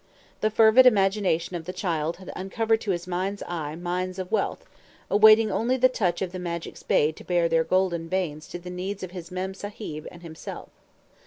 The fervid imagination of the child had uncovered to his mind's eye mines of wealth, awaiting only the touch of the magic spade to bare their golden veins to the needs of his Mem Sahib and himself.